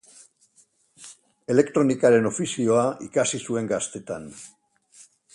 Elektronikaren ofizioa ikasi zuen gaztetan.